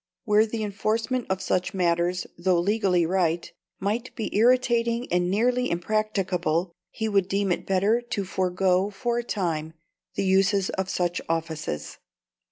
Where the enforcement of such matters, though legally right, might be irritating and nearly impracticable, he would deem it better to forego for a time the uses of such offices.